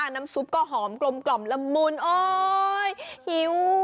น้ำซุปก็หอมกรมกร่อมหยิ้ว